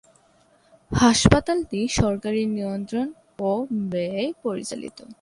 হাসপাতালটি সরকারি নিয়ন্ত্রণ ও ব্যয়ে পরিচালিত।